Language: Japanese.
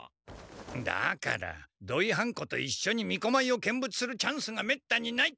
だから土井半子と一緒にみこまいを見物するチャンスがめったにない！